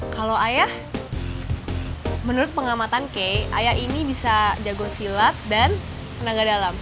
kalau ayah menurut pengamatan key ayah ini bisa jago silat dan tenaga dalam